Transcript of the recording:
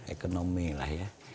ekonomi lah ya